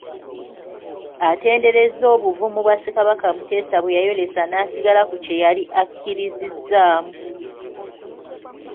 Atenderezza obuvumu Ssekabaka Muteesa bwe yayolesa n’asigala ku kye yali akkirizizaamu.